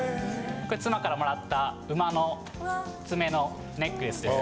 これ妻からもらった馬の爪のネックレスです。